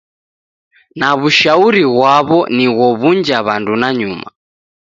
Na w'ushauri ghwaw'o ni ghow'unja w'andu nanyuma.